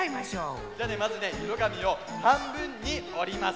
じゃあまずねいろがみをはんぶんにおります。